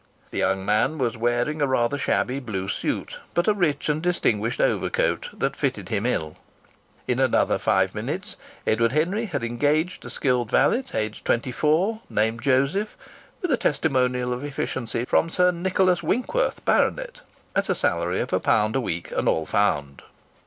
The young man was wearing a rather shabby blue suit, but a rich and distinguished overcoat that fitted him ill. In another five minutes Edward Henry had engaged a skilled valet, aged twenty four, name Joseph, with a testimonial of efficiency from Sir Nicholas Winkworth, Bart., at a salary of a pound a week and all found.